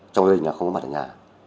trong gia đình không có mặt ở nhà